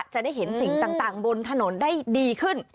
จะได้เห็นสิ่งต่างบนถนนได้ดีขึ้น